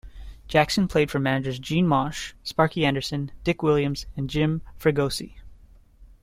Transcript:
Jackson played for managers Gene Mauch, Sparky Anderson, Dick Williams and Jim Fregosi.